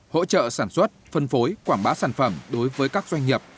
hỗ trợ sản xuất phân phối quảng bá sản phẩm đối với các doanh nghiệp